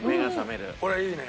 これいいね。